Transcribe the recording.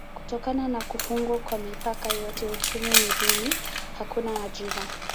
Kutokana na kufungwa kwa mipaka yote uchumi ni duni: hakuna ajira.